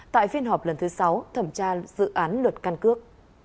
tại phiên họp lần thứ sáu thẩm tra dự án luật căn cước